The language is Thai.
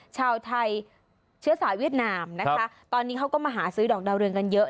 ชาวไทยเชื้อสายเวียดนามนะคะตอนนี้เขาก็มาหาซื้อดอกดาวเรืองกันเยอะ